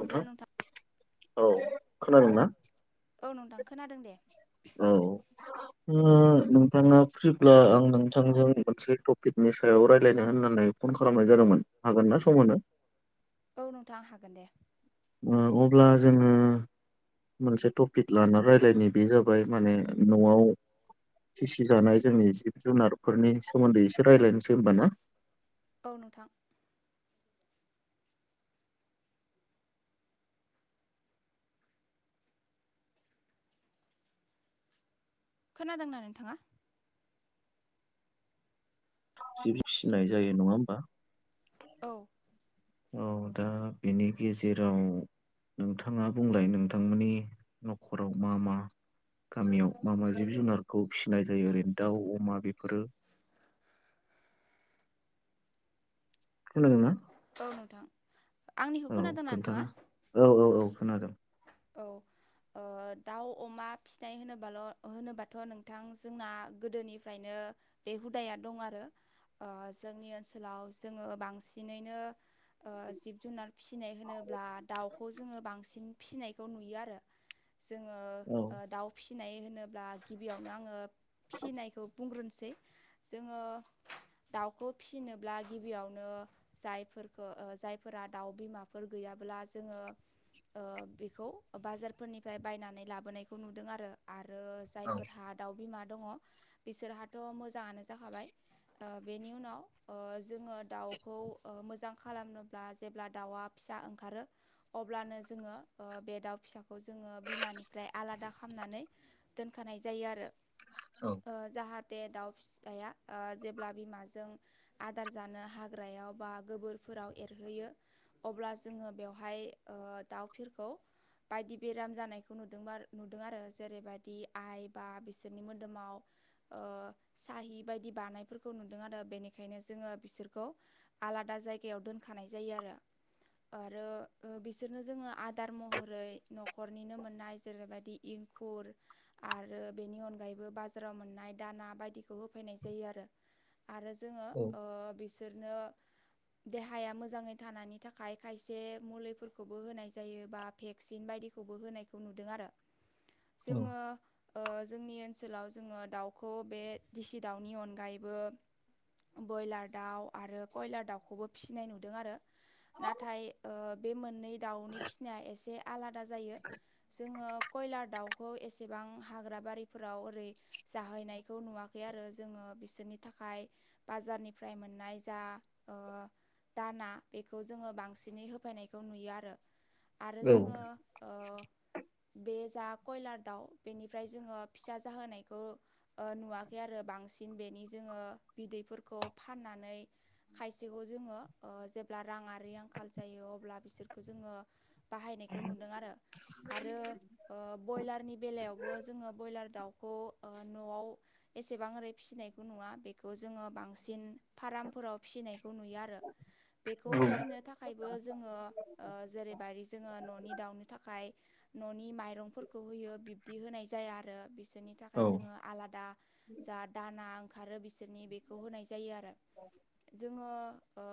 नोंथां औ खोनादोंना? औ नोंथां खोनादों दे। औ [inaudible] ओ नोंथाङा फ्रिब्ला आं नोंथांजों मोनसे टपिकनि सायाव रायज्लायनो होननानै फन खालामनाय जादोंमोन हागोन ना सम होनो? औ नोंथां हागोन दे ओ अब्ला जोङो मोनसे टपिक लाना रायलायनि बे जाबाय माने न'आव फिसि जानाय जोंनि जिब जुनारफोरनि सोमोन्दै एसे रायज्लायनोसै होमबा ना? औ नोंथां। खोनादोंना नोंथाङा? जि फिसिनाय जायो नङा होमबा? औ। औ दा बेनि गेजेराव नोंथाङा बुंलाय नोंथांमोननि न'खराव मा मा गामियाव मा मा जिब जुनारखौ फिसिनाय जायो ओरैनो दाउ अमा बेफोरो खोनादों ना? औ नोंथां आंनिखौ खोनादोंना खोन्थाना नोंथाङा? औ औ औ खोनादों। औ। ओ दाउ, अमा फिसिनाय होनोबाल' होनोबाथ' नोंथां जोंना गोदोनिफ्रायनो बे हुदाया दं आरो। ओ जोंनि ओनसोलाव जोङो बांसिनैनो ओ जिब-जुनार फिसिनाय होनोब्ला दाउखौ जोङो बांसिन फिसिनाय खौ नुयो आरो जोङो औ ओ दाउ फिसिनाय होनोब्ला गिबियावनो आङो फिसिनायखौ बुंग्रोनोसै जोङो दाउखौ फिसिनोब्ला गिबियावनो जायफोरखौ ओ जायफोरा दाउ बिमाफोर गैयाब्ला जोङो ओ बे खौ बाजार फोरनिफ्राय बायनानै लाबोनायखौ नुदों आरो। आरो औ जायफोरहा दाउ बिमा दङ' बिसोरहाथ' मोजाङानो जाखाबाय। ओ बेनि उनाव ओ जोङो दाउखौ ओ मोजां खालामनोब्ला जेब्ला दाउआ फिसा ओंखारो अब्लानो जोङो ओ बे दाउ फिसाखौ जोङो बिमानिफ्राय आलादा खालामनानै दोनखानाय जायो आरो। औ। ओ जाहाथे दाउ फिसाया ओ जेब्ला बिमाजों आदार जानो हाग्रायाव बा गोबोरफोराव एरहैयो अब्ला जोङो बेवहाय ओ दाउफिरखौ बायदि बेराम जानायखौ नुदोंबा नुदों आरो‌ जेरैबायदि आइ बा बिसोरनि मोदोमाव ओ साहि बायदि बानायफोरखौ नुदों आरो बेनिखायनो जोङो बिसोरखौ आलादा जायगायाव दोनखानाय जायो आरो। आरो ओ बिसोरनो जोङो आ दार महरै न'खरनिनो मोननाय जेरैबायदि इंखुर आरो बेनि अनगायैबो बा जाराव मोननाय दाना बायदिखौ होफैनाय जायो आरो। आरो जोङो औ ओ बि सोरनो देहाया मोजाङै थानायनि थाखाय खायसे मुलिफोरखौबो होनाय जायो बा भेक्सिन बायदिखौबो होनायखौ नुदों आरो। औ जोङो ओ जोंनि ओनसोलाव जोङो दाउखौ बे दिसि दाउनि अनगायैबो बयलार दाउ आरो कयलार दाउखौबो फिसिनाय नुदों आरो। नाथाय ओ बे मोननै दाउ फिसिनाया एसे आलादा जायो। जोङो कयलार दाउखौ एसेबां हाग्रा बारिफोराव ओरै जाहैनायखौ नुवा खै आरो जोङो बिसोरनि थाखाय बाजारनिफ्राय मोननाय जा ओ दाना बेखौ जोङो बांसिनै होफैनायखौ नुयो आरो। आरो औ जोङो ओ बे जा कयलार दाउ बेनिफ्राय जोङो फिसा जाहोनायखौ ओ नुवाखै आरो। बांसिन बेनि जोङो बिदैफोरखौ फाननानै खायसेखौ जोङो ओ जेब्ला राङारि आंखाल जायो अब्ला बिसोरखौ जोङो बाहायनायखौ नुदों आरो। आरो ओ बयलारनि बेलायावबो जोङो ब्रयलार दाउखौ ओ न'आव एसेबां ओरै फिसिनायखौ नुवा बेखौ जोङो बांसिन फाराम फोराव फिसिनायखौ नुयो आरो। बेखौ फिसिनो थाखायबो जोङो ओ जेरै बायदि जोङो न'नि दाउनो थाखाय न'नि माइरंफोरखौ होयो बिब्दि होनाय जाया आरो बिसोरनि थाखाय औ जोङो आलादा जा दाना ओंखारो बिसोरनि बेखौ होनाय जायो आरो। जोङो ओ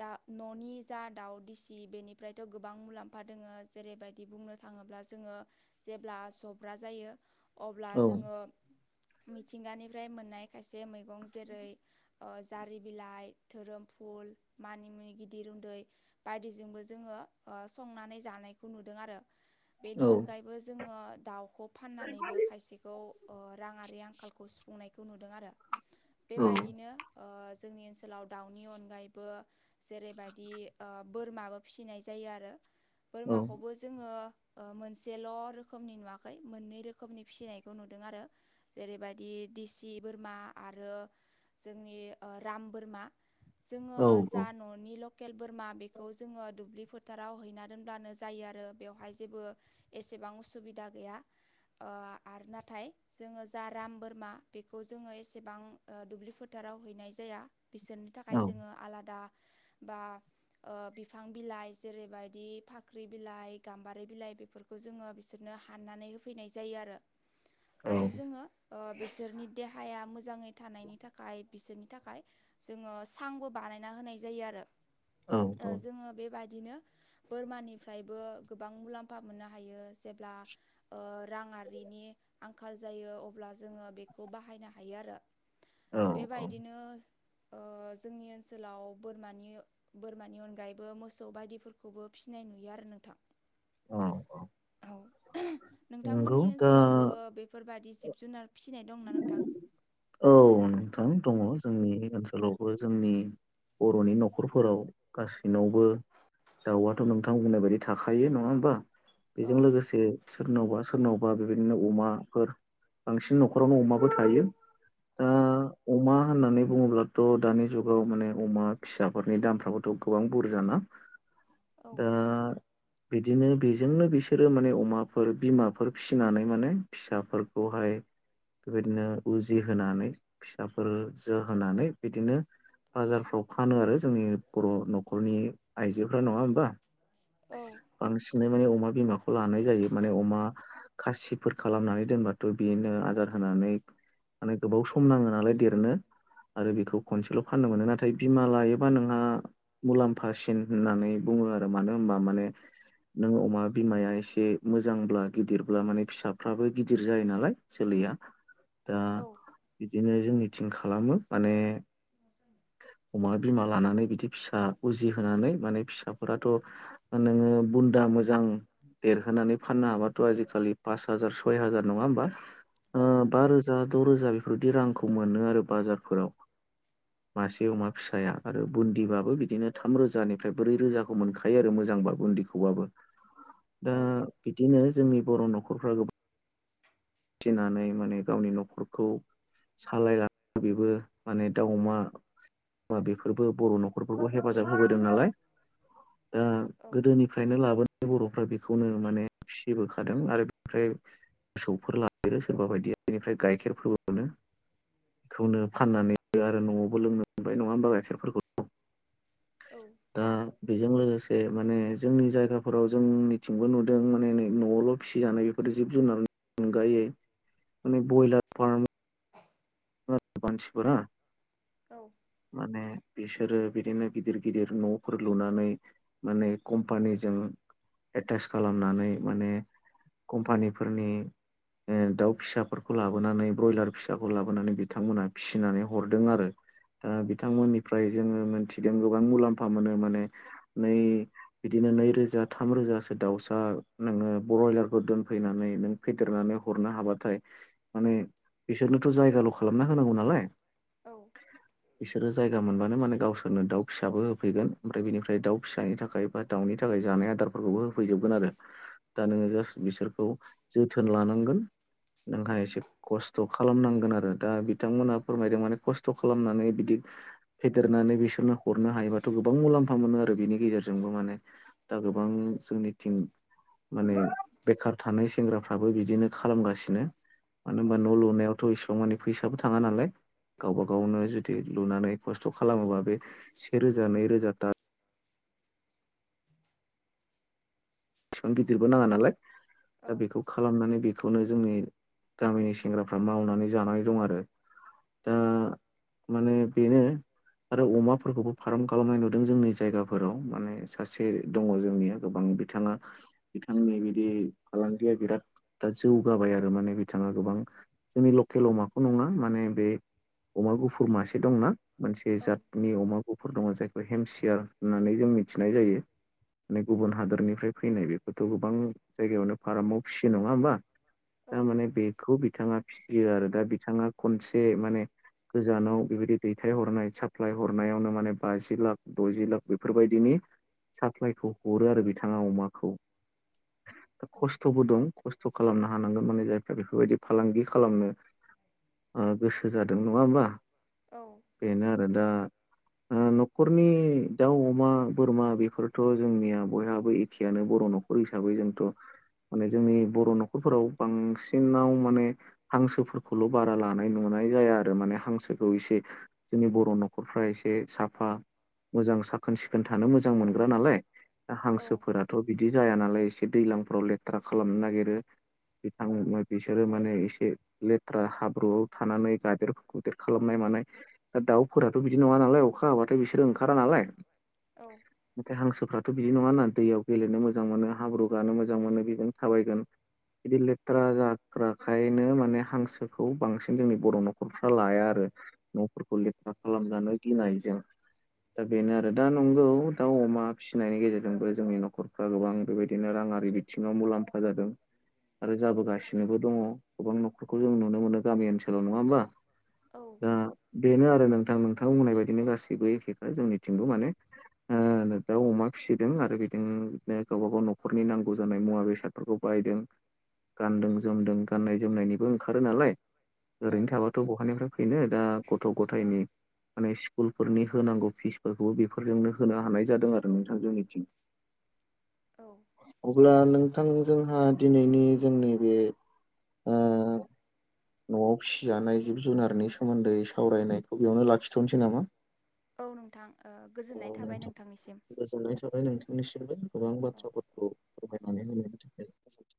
दा न'नि जा दाउ दिसि बेनिफ्राय थ' गोबां मुलाम्फा दोङो जेरैबायदि बुंनो थाङोब्ला जोङो जेब्ला जब्रा जायो अब्ला औ जोङो मिथिंगानिफ्राय मोननाय खायसे मैगं जेरै ओ जारि बिलाइ, धोरोम फुल, मानिमुनि गिदिर उन्दै बायदिजोंबो जोङो ओ संनानै जानायखौ नुदों आरो। बेनि औ अनगायै बो जोङो दाउखौ फाननानैबो खायसेखौ ओ राङारि आंखालखौ सुफुंनायखौ नुदों आरो। [inaudible] बेबायदिनो ओ जोंनि ओनसोलाव दाउनि अनगायैबो जेरैबायदि ओ बोरमाबो फिसिनाय जायो आरो बोरमाखौ बो जोंङो ओ मोनसेल' रोखोमनि नुवाखै मोननै रोखोमनि फिसिनायखौ नुदों आरो। जेरैबायदि दिसि बोरमा आरो जोंनि ओ राम बोरमा जोंङो जा न'नि लकेल बोरमा बेखौ जोंङो दुब्लि फोथाराव हैना दोनब्लानो जायो आरो बेवहाय जेबो एसेबां उसुबिदा गैया। ओ आरो नाथाय जोङो जा राम बोरमा बेखौ जोङो एसेबां ओ दुब्लि फोथाराव हैनाय जाया बिसोर थाखाय जोङो आलादा बा ओ बिफां बिलाइ जेरैबायदि फाख्रि बिलाइ गाम्बारि बिलाइ बेफोरखौ जोङो बिसोरनो हाननानै होफैनाय जायो आरो। आरो जोङो ओ बिसोरनि देहाया मोजाङै थानायनि थाखाय बिसोरनि थाखाय जोंङो सांबो बानायना होनाय जायो आरो औ ओ जोंङो बेबादिनो बोरमानिफ्रायबो गोबां मुलाम्फा मोननो हायो जेब्ला ओ रांआरिनि आंखाल जायो अब्ला जोंङो बेखौ बाहायनो हायो आरो। औ औ बेबायदिनो ओ जोंनि ओनसोलाव बोरमानि बोरमानि खौबो फिनाय नुयो आरो नोंथां। औ [unintelligible] नंगौ नोंथांमोननि दा ओनसोलावबो बेफोरबादि जिब जुनार फिसिनाय दंना नोंथां? औ नोंथां दङ जोंनि ओनसोलावबो जोंनि बर'नि न'खरफोराव गासैनावबो दाउआथ' नोंथां बुंनाय बायदि थाखायो नङा होमबा औ बेजों लोगोसे सोरनावबा सोरनावबा बेबायदिनो अमाफोर बांसिन न'खरावनो अमाबो थायो। दा अमा होननानै बुङोब्लाथ' दानि जुगाव माने अमा फिसाफोरनि दामफ्राबोथ' गोबां बुरजाना? औ दा बिदिनो बेजोंनो बि फिसाफोरखौहाय बेबायदिनो उजि होनानै फिसाफोर जो होनानै बिदिनो बाजारफ्राव फानो आरो जोंनि बर' न'खरनि आइजोफ्रा नङा होमबा? औ। बांसिनै माने अमा बिमाखौ लानाय जायो माने अमा खासिफोर खालामनानै दोनबाथ' बेनो आदार होनानै माने गोबाव सम नांङो नालाय देरनो। आरो बेखौ खनसेल' फाननो मोनो नाथाय बिमा लायोबा नोंहा मुलाम्फासिन होननानै बुङो आरो मानो होनबा माने नों अमा बिमाया एसे मोजांब्ला गिदिरब्ला माने फिसाफ्राबो गिदिर जायो नालाय। जोलैया दा औ बिदिनो जोंनिथिं खालामो माने अमा बिमा लानानै बिदि फिसा उजिहोनानै माने फिसाफोराथ' नोंङो बुन्दा मोजां देरहोनानै फाननो हाबाथ' आजिखालि पास हाजार सय हाजार नङा होमबा? ओ औ बा रोजा द' रोजा बेफोरबादि रांखौ मोनो आरो बा मासे अमा फिसाया आरो बुन्दिबाबो बिदिनो थाम रोजानिफ्राय ब्रै रोजाखौ मोनखायो आरो मोजांबा बुन्दिखौ। होवाबो दा औ बिदिनो जोंनि बर' न'खरफ्रा गोबां थिनानै माने गावनि न'खरखौ सालायगा बेबो माने दाउ अमा बा बेफोरबो बर' न'खरफोरखौ हेफाजाब होबोदों नालाय दा औ गोदोनि फ्रायनो लाबोनाय बर'फ्रा बेखौनो माने फिसिबोखादों आरो बेफ्राय फिसौफोर ला बि सोरबा बायदि बेनिफ्राय गाइखेर फोरबो मोननो। खौनो फाननानै आरो न'आवबो लोंनो मोनबाय नङा होमबा गाइखेरफोरखौ। औ। दा बेजों लोगोसे माने जोंनि जायगाफोराव जिब जुनार नि अनगायै माने बयलार बसिपुरा औ। माने बिसोरो बिदिनो गिदिर गिदिर न'फोर लुनानै माने कम्पानिजों एटाच खालामनानै माने कम्पानिफोरनि ओ दाउ फिसाफोरखौ लाबोनानै ब्रयलार फिसाखौ लाबोनानै बिथांमोनहा फिसिनानै हरदों आरो। ओ बिथांमोननिफ्राय जोङो मोनथिगोन गोबां मुलाम्फा मोनो माने नै बिदिनो नैरोजा थाम रोजासो दाउसा नोङो ब्रयलारखौ दोनफैनानै नों फेदेरनानै हरनो हाबाथाय माने बिसोरनोथ' जायगाल' खालामना होनांगौ नालाय। औ बिसोरो जायगा मोनबानो माने गावसोरनो दाउ फिसाबो होफैगोन ओमफ्राय बिनिफ्राय दाउ फिसानि थाखाय। बा दाउनि थाखाय जानाय आदारफोरखौबो होफैजोबगोन आरो दा नोङो जास्ट बिसोरखौ जोथोन लानांगोन नोंहा एसे खस्थ' खालामनांगोन आरो। दा बिथांमोनहा फोरमायदों माने खस्थ' खालामनानै बिदि फेदेरनानै बिसोरनो हरनो हायोबाथ' गोबां मुलाम्फा मोनो आरो बिनि गेजेरजोंबो माने दा गोबां जोंनि थिं माने बेखार थानाय सेंग्राफ्राबो बिदिनो खालामगासिनो। मानो होनोमबा न' औ लुनायावथ' इसेबां मानि फैसाबो थाङा नालाय गावबा गावनो जुदि लुनानै खस्थ' खालामोबा बे से रोजा नै रोजा दा बिसेबां गिदिरबो नाङा नालाय दा बेखौ खालामनानै बेखौनो जोंनि गामिनि सेंग्राफ्रा मावनानै जानानै दं आरो। दा माने बेनो आरो अमाफोरखौबो फार्म खालामनाय नुदों जोंनि जायगाफोराव माने सासे दङ जोंनिया। गोबां बिथाङा बिथांनि बिदि फालांगिया बिराद दा जौगाबाय आरो माने बिथाङा गोबां। जोंनि लकेल अमाखौ नङा माने बे अमा गुफुर मासे दंना? मोनसे औ औ जातनि अमाखौ फोर दङ जायखौ हेमसियार होननानै जों मिथिनाय जायो म गुबुन हादोरनिफ्राय‌ फैनाय बेखौथ' गोबां जायगायावनो फारामाव फिसियो नङा होमबा थारमाने बे खौ बिथाङा फिसियो आरो दा बिथाङा खनसे माने गोजानाव बेबायदि दैथाय हरनाय साप्लााय हरनायावनो माने बाजि लाख दजि लाख बेफोरबायदिनि साप्लाइखौ हरो आरो बिथाङा अमाखौ खस्थ'बो दं खस्थ' खालामनो हानांगोन माने जायफ्रा बेफोरबायदि फालांगि खालामनो ओ गोसो जादों नङा होमबा? औ। बेनो आरो दा ओ न'खरनि दाउ अमा बोरमा बेफोरथ' जोंनिया बयहाबो। बखियानो बर' न'खर हिसाबै जोंथ' माने जोंनि बर' न'खरफोराव बांसिनाव माने हांसोफोरखौल' बारा लानाय नुनाय जाया आरो माने हांसोखौ इसे जोंनि बर' न'खरफ्रा एसे साफा मोजां साखोन सिखोन थानो मोजां मोनग्रा नालाय दा हांसो फोरथ' बिदि जाया नालाय एसे दैजलांफोराव लेथ्रा खालामनो नागिरो। बिथां बिसोरो माने एसे लेथ्रा हाब्रुआव थानानै गादेर गुदेर खालामनाय मानाय दा दाउफोराथ' बिदि नङा नालाय अखा हाब्लाथाय बिसोरो ओंखारा नालाय औ। नाथाय हांसोफ्राथ' बिदि नङाना दैयाव गेलेनो मोजां मोनो हाब्रु गानो मोजां मोनो बेजों थाबायगोन। बिदि लेथ्रा जाग्राखायनो माने हांसोखौ बांसिन जोंनि बर' न'खरफ्रा लाया आरो। न'फोरखौ लेथ्रा खालामनानै गिनायजों। दा बेनो आरो दा नंगौ दाउ अमा फिसिनायनि गेजेरजोंबो जोंनि नखरफ्रा गोबां बेबायदिनो राङारि बिथिङाव मुलाम्फा जादों। आरो जाबोगासिनोबो दङ गोबां न'खरखौ जों नुनो मोनो गामि ओनसोलाव नङा होमबा? औ। दा बेनो आरो नोंथां नोंथां बुंनाय बायदिनो गासैबो एखेखौ जोंनिथिंबो माने ओ दाव अमा फिसिदों आरो बे बि बिनो गावबागाव न'खरनि नांगौ जानाय मुवा बेसादफोरखौ बायदों। गानदों जोमदों गाननाय जोमनायनिबो ओंखारो नालाय। ओरैनो थाबा गथ' गहानिफ्राय फैनो दा गथ' गथायनि माने स्कुलफोरनि होनांगौ फिसफोरखौबो बेफोरजोंनो होनो हानाय जादों आरो नोंथां जनिथिं। औ। अब्ला नोंथां जोंहा दिनैनि जोंनि बे ओ न'आव फिसिजानाय जिब जुनारनि सोमोन्दै सावरायनायखौ बेयावनो लाखिथ'नोसै नामा। औ नोंथां औ गोजोननाय ओ थाबाय नोंथां नोंथांनिसिम। गोजोननाय थाबाय नोंथांनिसिमबो गोबां औ बाथ्राफोरखौ फोरमायनानै होननायनि थाखाय गोजोनथों।